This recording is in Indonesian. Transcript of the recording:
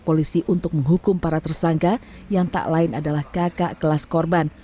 polisi untuk menghukum para tersangka yang tak lain adalah kakak kelas korban